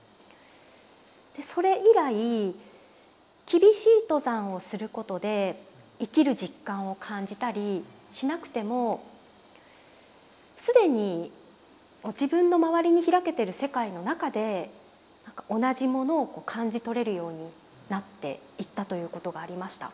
それ以来厳しい登山をすることで生きる実感を感じたりしなくても既に自分の周りに開けてる世界の中で同じものを感じ取れるようになっていったということがありました。